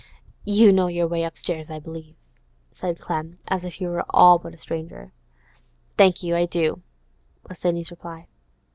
'You know your way upstairs, I b'lieve,' said Clem, as if he were all but a stranger. 'Thank you, I do,' was Sidney's reply.